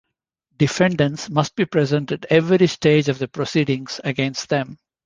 Defendants must be present at every stage of the proceedings against them.